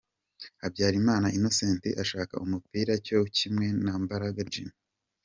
Habyarimana Innocent ashaka umupira cyo kimwe na Mbaraga Jimmy.